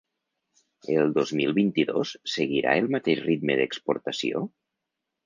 El dos mil vint-i-dos seguirà el mateix ritme d’exportació?